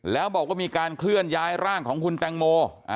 แล้วบอกว่ามีการเคลื่อนย้ายร่างของคุณแตงโม